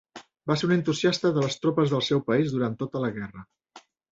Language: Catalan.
Va ser un entusiasta de les tropes del seu país durant tota la guerra.